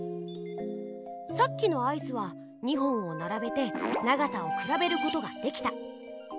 さっきのアイスは２本をならべて長さをくらべることができた。